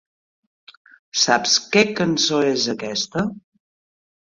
Saps què cançó és aquesta?